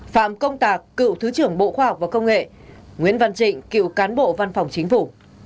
phạm công tạc cựu thứ trưởng bộ khoa học và công nghệ nguyễn văn trịnh cựu cán bộ văn phòng chính phủ